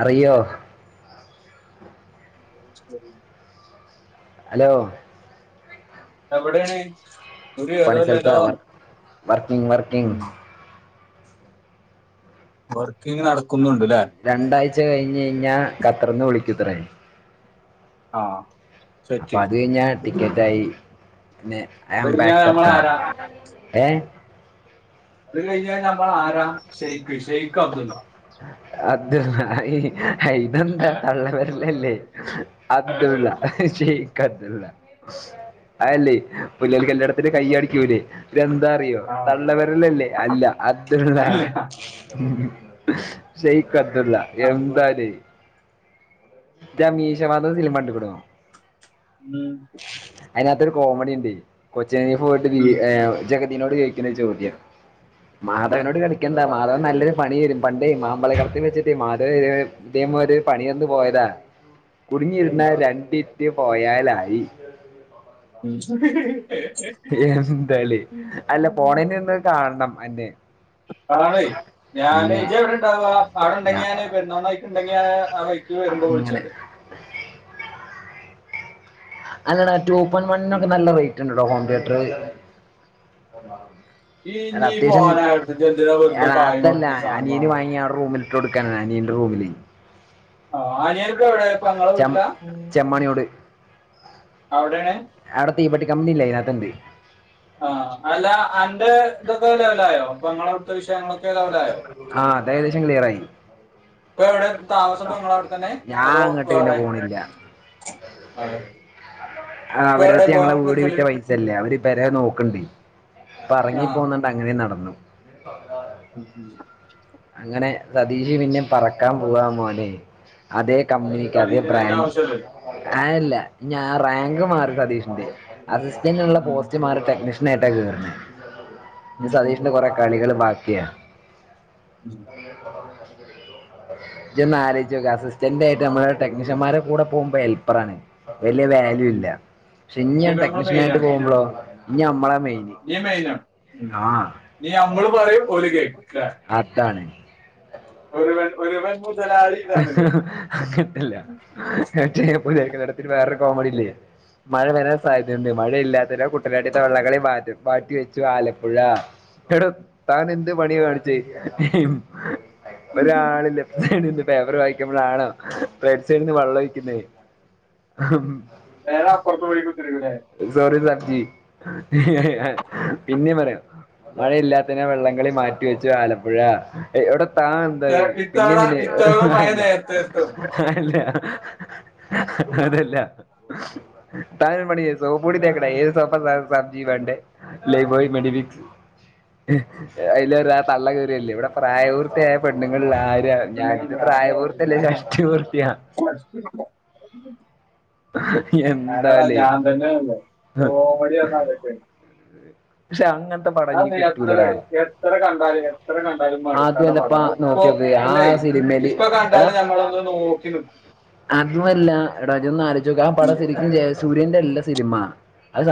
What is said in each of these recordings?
അറിയോ [inaudible] ഹലോ എവിടെയാണ് ഒരു പണിസ്ഥലത്താ വിവരവുമില്ലല്ലോ അവൻ വർക്കിംഗ് വർക്കിംഗ് ഉം കൊറ- രണ്ടാഴ്ച കഴിഞ്ഞ് കഴിഞ്ഞാൽ ഖത്തറിന്ന് വിളിക്കും ക്കുംത്രേ അ അപ്പോ അത് കഴിഞ്ഞാ എത്തിക്കാം എന്തായി പിന്നെ അത് അയാം കഴിഞ്ഞാ ബാക്ക് ദ നമ്മള കാർ ആരാ ഏ ഇതും കഴിഞ്ഞിനയോ ഇങ്ങളാരാ ഷെയ്ക്ക് ഷെയ്ക്ക് അബ്ദുള്ള അത് ആയി ഹയ് ഇതെന്താ തള്ളവെര- ഇതല്ലേ അബ്ദുള്ള ശെ- [unintelligible] അതല്ലീ പിള്ളെര് കല്യാണത്തിന് ഉം കൈയ്യടിക്കൂലെ ഇതെന്താ അറിയോ ആഹ് തള്ള വെരളില്ലേ അല്ല അ അല്ല [unintelligible] ഷെയ്ക്ക് അബ്ദുള്ള ആഹ് എന്താല് ഇജ്ജ് ആ മീശമാധവൻ സിനിമ കണ്ട്ക്കണോ? മ് കോമടിണ്ട് ഒരു ജഗതി ന്നോട് ചോദിക്കുന്ന ചോദ്യം ഉം ഉം മാധവനോട് കളിക്കണ്ടാന്ന് മാധവൻ നല്ലൊരു പണിയരും പണ്ടേ മാമ്പഴ കളത്തിൽ വെച്ച് മാധവൻ ഇതേ മാര് പണിയന്ന് പോയതാ കുടുങ്ങിയിരുന്ന രണ്ടി പോയാലായി ഹ് ഹ് ഹ് എന്താലേ അല്ലെ പോണെഞ്ഞെന്ന് കാണ്ണം അന്നേ കാണയ് ഞാൻ ഇജ്ജ് എവിടെ ഇണ്ടാവാ അവിടിണ്ടെങ്കി ഞാൻ പെരിന്തൽമണ്ണ വഴിക്ക് ഇണ്ടെങ്കിൽ ഞാൻ ആ വഴിക്ക് വരുമ്പോ അങ്ങനെ വിളിച്ചോണ്ട് അല്ലടാ ടു പോയിന്റ് വണ്ണിനോക്കെ നല്ല റേറ്റ് ഇണ്ടടാ ഹോം ടീയറ്റർ വെറുതെ കായ് മെടക്കി സാധനം വാങ്ങുന്നേ അനിയൻ്റെ റൂമിൽ അനിയൻ ഇപ്പൊ എവിടെ പെങ്ങളെ വീട്ടിലാ ചെമ്മാണിയോട് അവിടെണ് അവിടെ തീപ്പെട്ടി കമ്പനിലെ ആ അല്ല അന്റ ഇതൊക്ക ള്ളായോ പെങ്ങള അവിടുത്ത വി ഷയങ്ങളൊക്കെ ലെവലായോ? ആ അത് ഏകദേശം ക്ലിയർ ആയി ഇപ്പൊ എവിടെ താമസപ്പ ഇങ്ങളവടെ തന്നെ ഞാൻ അതോ അങ്ങോട്ട് പിന്നെ വേറെ? പോണില്ല ആയോ ആ അവരട്ത്ത് ഞങ്ങളെ വീട് വിറ്റ പൈസല്ല്യെ. അവര് പെരേ നോക്ണ്ടി അപ്പ എറങ്ങി പോന്നണ്ട് അങ്ങനെ നടന്നു. ഉം ഉം അങ്ങനെ സതീഷ് പിന്നെ പറക്കാൻ പോവാ മോനെ അതെ കമ്പനിക്കതെ സതീശന് അതിന്റെ ബ്രാൻഡ് ആവശ്യമല്ലല്ലോ ആൽ ഡ. ഇഞാ റാങ്ക് മാറി സതീഷിന്റെ അത് [unintelligible] ഉള്ള പോസ്‌റ്റ് മാറി ടെക്നിഷ് സ്നറ്റകറിന [unintelligible] ഇനി സതീഷിന്റെ കൊറെ കളികള് ബാ ക്കിയാ. ഇജ്ജൊന്നാലോയ്ച്ചോക്കാ അസിസ്റ്റന്റ് ആയിട്ടമ്മളെ ടെക്നീഷ്യന്മാരെ കൂടെ പോകുമ്പെ ഹെൽപ്പർ ആണ്. വലിയ വാല്യൂ ഇല്ല പക്ഷെ ഇഞ്യാൻ ഇനിയിപ്പോ ടെക്നീഷ്യൻ ആയിട്ട് പോവുമ്പ്ളോ ഇഞ്ഞ് നമ്മളെ ജി മൈനോ ഉം ഇനി നമ്മൾ പറയും ഓൽ കേക്ക അതാണ് ഒരുവൻ ഒരുവൻ പോയി ഹ് ഹുംം കിട്ടില്ല ഞാൻ ചെയ്തപ്പോൾ വേഗത്തിൽ വേറൊരു കോമഡിയില്ലേ മഴവരാൻസധ്യതയുണ്ട് മഴയില്ലാ ഇന്നലെ കുട്ടനാട്ടിൽനിന്ന് വള്ളംകളി മാറ്റിവച്ചു ആലപ്പുഴ എടോ താനെന്തു പണിയാ കാണിച്ചേ ഒരാള് ലെഫ്‌റ്റ് സൈഡിലും പേപ്പറു വായിക്കുമ്പോളാണോ ബാക്ക് സൈഡ്ന്ന് വെളളമൊഴിക്കുന്നേ ഹും വേണേൽ അപ്പറത്തു സോറിസാർ ജീ [unintelligible] പിന്നെ പറയാം മഴയില്ലാത്തതിനാൽ വള്ളംകളി മാറ്റിവച്ചു, ആലപ്പുഴ. എ.. എവിട താനെന്തായീ പിന്നേം ഇത്തവണ പിന്നേം, ഇത്തവണ മഴ ഞാനില്ല.. നേരത്തെ എത്തും ഞാനില്ലാ ഹ ഹ ഹ അതല്ല താഴെ പണി ചെയ്തു സോപ്പുപൊടി തേക്കണേ, ഏത് സോപ്പാ സാർ, സാർജിവേണ്ടേ ലൈഫ്ബോയി, മെഡിമിക്സ്, അതിലൂടെയാതള്ളകേറിയതല്ലേ, ഇവിടെ പ്രായപൂർത്തിയായ പെണ്ണുങ്ങൾ... ആ ഞാ, പെണ്ണുങ്ങൾ ഞാനിന്ന് വേറെ പ്രായപൂർത്തിയല്ല, വഴിയില്ല ഷഷ്ടിപൂർത്തിയാ, എന്താല്ലേ [unintelligible] കോമഡിയാന്നാ [unintelligible] [unintelligible] അത്‌ ഇനി നീ എത്ര, കിട്ടൂലടാ എത്രകണ്ടാലും എത്ര കണ്ടാലും മടുക്കാത്ത അതുമല്ലപ്പാ പടാണ്. ഇപ്പോൾ നോക്കിയോക്ക് ആ അല്ലേ, സിനിമയില് ഇപ്പം എടാ കണ്ടാലും നമ്മളൊന്ന് നോക്കി നിൽക്കും. അതുമല്ല, എടാ ഇജൊന്നാലോചിച്ച് നോക്ക് ആ പടം ശരിക്കും ജയസൂര്യന്റെ അല്ലസിനിമ അത്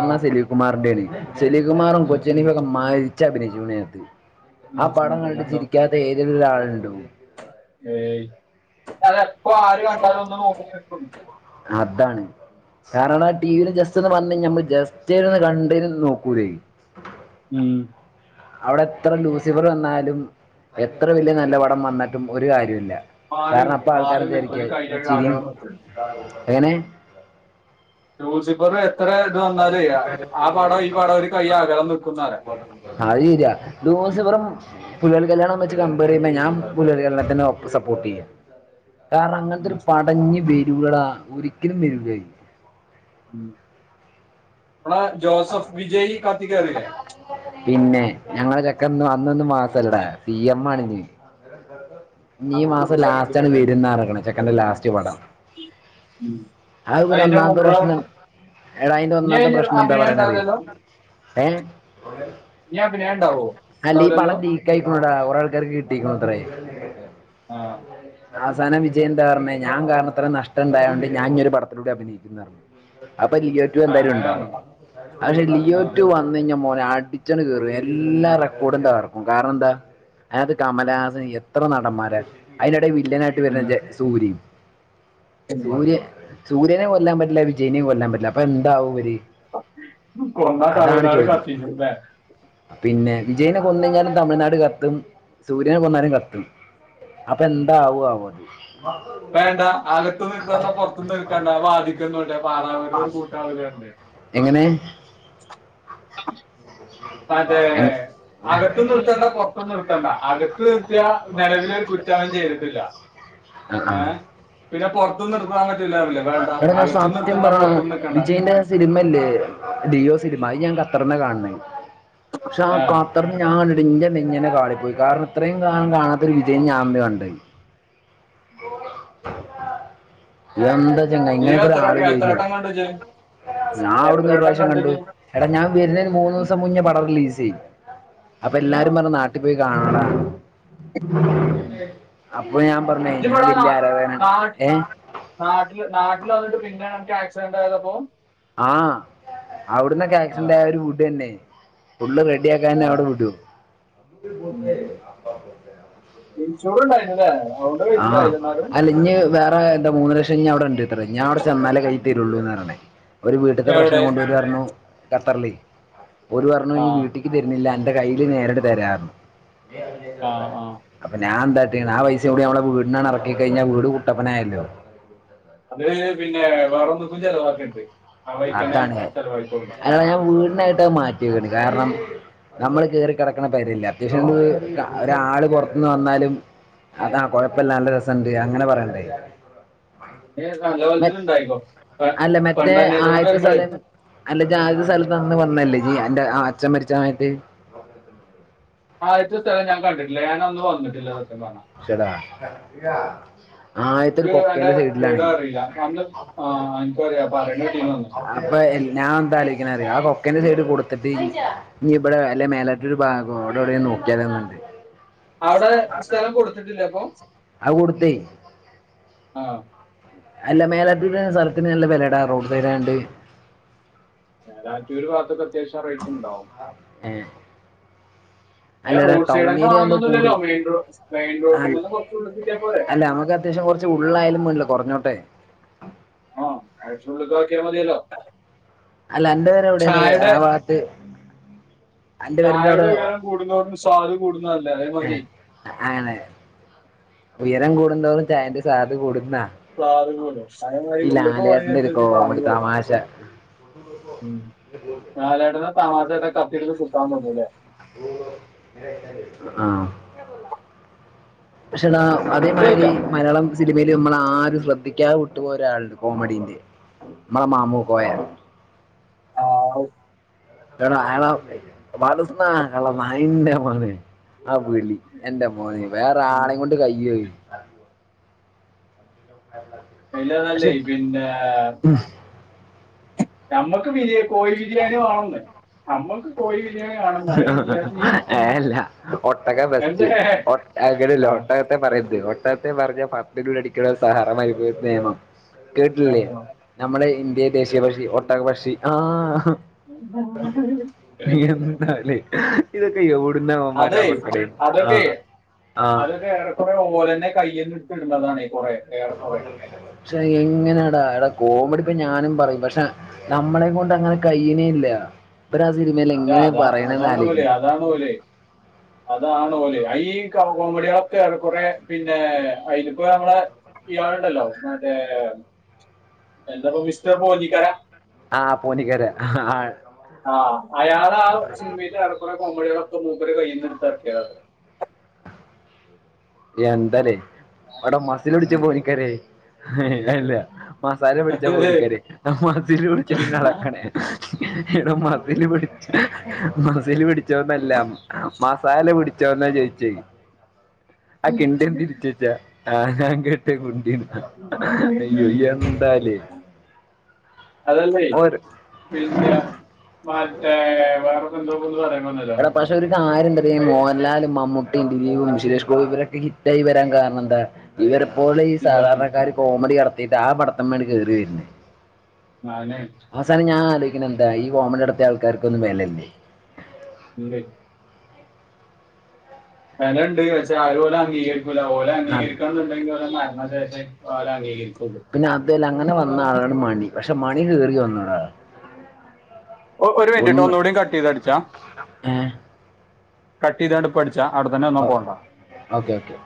ആ സലിംകുമാറിന്റേണ് സലിംകുമാറും ഉം, കൊച്ചിൻ ഉം, ഹനീഫയൊക്കെ മരി മരിച്ചഭിനയിച്ചൂന്നേ ഉം, [unintelligible] ഉം, ആപടം കണ്ടിട്ട് പിന്നെന്തോ ചിരിക്കാത്ത ഏതേലും ഒരാള് [unintelligible] ഏയ് അത് എപ്പം ആരു കണ്ടാലുമൊന്ന് നോക്കി നിൽക്കും അതാണ് ഞാനതാ, ടി. വിയിൽ ജസ്റ്റൊന്ന് വന്ന്, ഞമ്മള് ജസ്റ്റ് ഒന്ന് കണ്ട്കഴിഞ്ഞാലൊന്ന് നോക്കൂലെ ഉം. അവിടെത്ര ലൂസിഫർ വന്നാലും, എത്ര വലിയനല്ലപടം വന്നിട്ടും ഒരുകാര്യവുമില്ല. മാറിനിക്കും. മാറിനിക്കും ഒരു കയ്യിലുള്ള ചിരിയും അകലം [unintelligible] എങ്ങനെ? ലൂസിഫറ് [unintelligible] പടം ഒരു കൈ അകലം നിൽക്കുന്നവരെ അത്ശരിയാ. ലൂസിഫറും പുലിവാൽകല്യാണോം വെച്ച് കമ്പേറ് ചെയ്താ ഞാൻ പുലിവാൽകല്യാണത്തിനെ സപ്പോർട്ട് ചെയ്യും. കാരണം ഇങ്ങനത്തെ ഒര് പടം ഇഞ്ഞ് ബരൂലെടാ. ഒരിക്കലും വരൂല്ലത് ഉം മ്മളെ ജോസഫ് വിജയ് കത്തിക്കേറീല്ലേ? പിന്നെ, ഞങളെ ചെക്കൻ ന്ന് ന്ന് മാസല്ലെടാ. സി എം ആണിഞ് [inaudible] ഇനി ഈ അത് മാസം കുടിച്ചാൽ കിട്ടും ലാസ്റ്റണ് കേട്ടോ വരുന്നാ പറഞ്ഞേക്കണ് ചെക്കന്റെ ലാസ്റ്റ് പടം. അത്പിന്നെ അതിന്റെ ഒന്നാമത്തെ മുമ്പ് പ്രശ്നം, എടാ അതിന്റെ നീ ഒന്നാമത്തെ അതിന് പ്രശ്നം ന്താ അഭിനയം പറയണേ അറിയോ? ഉണ്ടാവില്ലല്ലോ ഏഹ്? നീ അഭിനയം ഉണ്ടാവോ അല്ല ഈ ഉണ്ടാവില്ലല്ലോ പടം ലീക്കായി പോണെടാ ത്തെ ആൾക്കാർക്ക് കിട്ടീക്കുണുത്രേ ആ അവസാനം വിജയ് എന്താ പറഞ്ഞെ? ഞാൻ കാരണം ഇത്രയും നഷ്ടം ഇണ്ടായോണ്ട് ഞാൻ ഇനി ഒര് പടത്തിലൂടെയും അഭിനയിക്കുംന്ന് പറഞ്ഞ്. അപ്പൊ ലിയോ ടു ആ എന്തായാലും അങ്ങനെ പറഞ്ഞു ഇണ്ടാവും. അത് പക്ഷെ ലിയോ ആ ടു വന്നയിഞ്ഞാ മോ അടിച്ചങ്ങട് കേറും. എല്ലാ റെക്കോഡും തകർക്കും. കാരണെന്താ? അയാക്ക് കമലഹാസന് എത് ത്ര നടമ്മാരാ? അയിലെടേ വി വില്ലനായിട്ട് ഉം. വരണത് ജ, സൂര്യയും. സൂര്യ സൂര്യനേം കൊല്ലാൻ പറ്റില്ല വിജയ്നേം കൊല്ലാൻ പറ്റില്ല. അപ്പൊ എന്താവും ഇവര്? കൊന്നാ അതാണ് തമിഴ്നാട് ചോദ്യം കത്തിക്കും ല്ലേ? പിന്നെ, വിജയ്നെ കൊന്നയിഞ്ഞാലും തമിഴ്നാട് കത്തും സൂര്യെനെ കൊന്നാലും കത് തും അപ്പൊ എന്താവുവോ ആവോ അത്. വേണ്ട. അകത്തും നിക്കണ്ട പൊറത്തും നിക്കണ്ട. ആ വാതുക്കെ നിന്നോട്ടെ. പാ പാറാവിനൊരു കൂട്ടാവുവല്ലോ പറഞ്ഞ് എങ്ങനെ മറ്റേ, എങ്- അകത്തും നിർത്തണ്ട പൊറത്തും നിർത്തണ്ട. അകത്ത് നിർത്തിയാ നെലവിലൊരു കുറ്റോ അവൻ ചെയ്തിട്ടില്ല. ഏഹ്? പിന്നെ പൊറത് ത്ത് നിർ എട ഞാൻ സത്യം പറയടാ, പുറത്തും നിൽക്കണ്ട വിജയ്ന്റെ ആ സിനിമ ഇല്ലേ? ലിയോ സിനിമ. അത് ഞാൻ ക കെടന്നാ കാണ്ന്നെ പക്ഷെ ആ ഏ, കത [unintelligible] ഇഞ്ഞെ ന്നിങ്ങനെ കാളിപ്പോയി കാരണത്രയും കാലം കാണാത്തൊരു വിജയിനെ ഞാൻ ന്ന് കണ്ടെ എന്ത ചെങ്ങായ്‌ നീ എത്ര ങ്ങനൊക്കൊരാൾ എത്ര വീഡിയോ യ്യോ വട്ടം കണ്ടിച്ച് എത്ര ഞ്ഞാവ്ട്ന്ന് വട്ടം ഒരുറാവ്ശ്യം കണ്ടിച്ച് എടാ ഞാൻ വര്ന്നെന് മൂന്നോസം മുന്നേ പടം റിലീസ് രി അപ്പെല്ലാരും പറഞ്ഞുനാട്ടിപ്പോയി കാണെടാ അപ്പൊ ഞാൻ പർഞ്ഞേ ഞാൻ വല്ല്യ ആരാധകന ഏഹ് നാട്ട്ല് നാട്ടിൽവന്ന്ട്ട് പി പിന്നെണ് അനക് ആക്‌സിഡന്റ് ആയതപ്പൊ ആഹ് അവ്ട്ന്നൊക്കെ ആ, ആക്‌സിഡന്റ് ആയ ഓര് വിടെന്നെ ഫുള്ള് ആ. റെഡിയാക്കാഞ്ഞ അവ്ടെ വിടോ ചൊറണ്ടായിര്ന്നു ലേ ആഹ് അല്ല ഇഞ്ഞി വേറെ ആർടെ മൂന്ന് ലശ് [unintelligible] അവിടെ ഉണ്ട് അത്രേ ഞാൻ അവിടെ ചെന്നാലേ കൈയിൽ തരുള്ളൂ എന്ന പറയണേ ഓര് വീട്ടത്തെ എവിടെ പ്രശ്നം [unintelligible] ഖത്തറിലെ ഓര് പറഞ്ഞു ആ ഈ വീട്ടിക്ക് വരണില്ല എന്നു ന്റെ കയ്യില് നേരിട്ട് തരാന്ന് ആ ആ അപ്പൊ ഞാൻ എന്താ [unintelligible] ആ [unintelligible] [unintelligible] നമ്മള [unintelligible] ഇറക്കി കഴിഞ്ഞ വീട് കുട്ടപ്പനായല്ലോ അത് പിന്നെ വേറൊന്ന് പ്പ ചെലവാക്ക് ണ്ട് അതാണ് അത് ന്നറിഞ്ഞ അത് വീടിനായിട്ട് മാറ്റിക്ക്ണ് കാരണം ഞമ്മള് കേറി കെടക്കണ പേരല്ലേ അത്യാവശ്യം അത് ഒരാള് പൊറത്ത്ന്ന് വന്നാലും അത് കൊയപ്പല്ല നല്ല രസണ്ട് അങ്ങനെ പറിയണ്ടെ ഞ് നല്ലോൽത്തന്നെ ണ്ടാക്കിക്കോ പെ അല്ല മറ്റേ പെണ്ണാലി ആദ്യത്തെ സലം അല്ല ജാതി സ്ഥലത്താന്ന് പർഞ്ഞല്ലെ ഇ അന്റ അച്ഛൻ മരിച്ച സമയത്ത് ച്ച സ്ഥലം ഞാൻ കണ്ടിട്ടില്ല ഞാൻ അന്ന് വന്നിട്ടില്ല സത്യം പറഞ്ഞ ശെടാ ക്ക് അന്റെ കൊക്കേൻ്റെ സൈഡിലാണ് വീടറീല അന്ന് ആ ഇൻക്കു അറിയാ പറിണെട്ടീനു അന്ന് ഞാ ന്താ ആലോയ്ക്ക്ണെ റിയൊ ആ കൊക്കന്റെ സൈഡ് കൊട്ത്തിട്ട് ഞ് ബടെ അല്ലെ മേലാറ്റൂർ ഭാഗോ ആടോടേം നോക്ക്യാലോ ന്ന്ള്ളെ ഔടെ സ്ഥലം കൊട് ട്ത്തിട്ടില്ലപ്പോ അത്കൊടുത്തേ ആ അല്ല മേലാറ്റൂര് സ്ഥലത്തിന് നല്ല വെല ടാറോഡ് സൈഡായോണ്ട് മേലാറ്റൂര് ഭാഗത്തൊക്കെ അത്യാവശ്യം റേറ്റ് ണ്ടാവും മ് അല്ലടാ റോഡ് സൈഡ് ടൗൺ തന്നെ ഏരിയാവുമ്പോ കാണുന്നൊന്നുമില്ലല്ലോ കൂടോ മെയിൻ റോഡ് മെയിൻ അ റോഡിൽ നിന്ന് കുറച്ച് ഉള്ളിപ്പിക്കാൻ പോരെ അല്ല നമ്മക്ക് അത്യാവശ്യം കുറച്ച് ഉള്ളായാലും മേണ്ടില്ല്യാ കുറഞ്ഞോ ട്ടേ ആ [unintelligible] ഉള്ള്ത്തേക്കാക്കിയ മതിയല്ലോ അല്ല അന്റെ പെര ഔടാണ് ചായയുടെ ആ വാത്ത് അന്റെ പെരന്റെ ഔടെ ചായയുടെ ഉയരം കൂടുന്നതോടും സ്വാദ് കൂടുന്നതല്ല ഏ അതേമാതിരി അങ്ങനെ ഉയരം കൂടുന്തോറും ചായന്റെ സ്വാദ് കൂടും [inaudible] ത്താ ലാലേട്ടൻ്റെ ഒരു കോമഡി തമാശ മതിയല്ലേ ആ റ്റെടാ ഫുഡ് അതേമാതിരി കഴിക്കാം മലയാളം സിനിമയി ല് അമ്മളാരും ശ്രദ്ധിക്കാതെ വിട്ടു പോയഒരാള്ണ്ട് കോമഡിന്റെ മ്മളെ മാമുക്കോയ. ആഹു ന്റെടാ അയാളെ ബാലുസ്നാ കള്ള നായിന്റെ മോനെ ആ വിളി എന്റെ മോനെ വേറാളെക്കൊണ്ട് കയ്യോ അഹ് അയിലാറെ നല്ലെ പക്ഷെ പിന്നേ നമ്മക്ക് ബിരിയ കോഴി ബിരിയാണിമാണെന്ന് നമ്മക്ക് കോഴി ബിരിയാണി വേണമെന്ന് അവരുണ്ടല്ലോ ഏഹ് ഇല്ല ഒട്ടകാ ബെസ്റ്റ്. എന്താ ഒട്ട അങ്ങനെല്ല ഒട്ടകത്തെ പറയര്ത് ഒട്ടക ട്ടെ പർഞ്ഞാ പത്തിനുള്ളി അടിക്ക്ണ സാറാ മരുഭൂമിത്തെ നെയമം കേട്ടില്ലേ നമ്മള് ഇ ന്ത്യൻ ദേശീയ പക്ഷി ഒട്ടകപക്ഷി ആഹ് [unintelligible] അ ലെ ഇതെക്കെ യൌട് അതെ അതൊക്കെ ആ അതൊക്കെ ഏറെ കുറേ ഓലന്നെ കയ്യിന്ന് ട്ന്നതാണെ ശെയ് എങ്ങനെടാ എട കോമഡിപ്പൊ ഞാനും പറയും പക്ഷേ നമ്മളെക്കൊണ്ട് അങ്ങനെ കയ്യ്ണില്ല ടാ അതാ അതാണ് ഓല് അതാണ് ഓല് അതാണ് ഓല് അ [unintelligible] കോമഡികളൊക്കെ ഏറെക്കുറെ പിന്നെ അയിലിപ്പോ നമ്മളെ ഇയാൾ ഇണ്ടല്ലോ മറ്റെ എന്താപ്പാ മിസ്റ്റർ പോഞ്ഞിക്കര ആഹ് പോഞ്ഞിക്കര ആഹ് ആ അയാൾ ആഹ് പിന്നെ ഏറെ കുറെ കോമഡി കള് ഇപ്പൊ മൂപ്പരെ കയ്യ്ന്ന് ഇട്ത്തെർക്കിയത എന്തല്ലേ അവിടം മസിൽ പിടിച്ച ഉം. പോഞ്ഞിക്കര ആയി ഇല്ല മസാല പിടിച്ച പോഞ്ഞിക്കര മസിൽ പിടിച്ചിട്ട് ഇളക്കണേ എടോ മസിൽ പിടിച് മസിൽ പിടിച്ചത് ഒന്നും അല്ല മസാല പിടി റ്റോന്ന ചോദിച്ചേ ആഹ് കിന്ഡർ തിരിച്ചു വെച്ചാ ആഹ് ഹ [unintelligible] അയ്യൊ എന്താല്ലേ അതല്ലേ ഒര പിന്നെ മറ്റേ വേറെ എന്തോ ഒന്ന് പറയാൻ വന്നല്ലോ എട പക്ഷെ ഒര് കാര്യണ്ട് ഇ ഐ, മൊഹലാല് മമ്മു ദിലീപും അഞ്ജുലേശം ഇപ്പൊ ഇവരൊക്കെ ഹിറ്റായി വരാൻ കാരണം എന്താ എല്ലരും പോലെ ഈ ഇവലാണ് സാധരേണകാര് കോമഡി ഇറക്ക് ഇതാ ആ പടത്തിന്മേൽ കേറി വര്ണ് ഞാനേ അവസാനം ഞാൻ ആലോയി ക്കിന് എന്തായി ഈ കോമഡി നടത്തിയ ആൾക്കാർക്ക് ഒന്നും വേല ഇല്ലേ ഇല്ലേ വെലണ്ട് പക്ഷെ ആരും ഓലെ അംഗീകരി ക്കൂല ഓലെ അത് അംഗീകരിക്കണന്നുണ്ടെങ്കിൽ ഓലെ അതെലെ ഓലെ അംഗീകരിക്കും പിന്നെ അതെല് അങ്ങനെ വന്ന ആളാണ് മണി പക്ഷെ മണി കേറിവന്നതാ ഒ ഒരു മിനിറ്റ് ട്ടോ ഒന്ന് കൂടി കട്ട്‌ ചെയ്ത് അടിച്ചാ ഏഹ് കട്ട്‌ ചെയ്ത്ണ്ട് ഇപ്പ അടിച്ച ടിച്ച അവടെതന്നെ നിന്നോ പോണ്ട ഓക്കെ ഓക്കെ